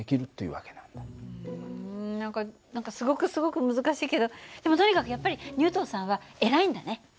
うん何か何かすごくすごく難しいけどでもとにかくやっぱりニュートンさんは偉いんだね。